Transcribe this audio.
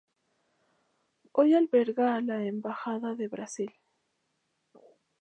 Hoy alberga a la embajada de Brasil.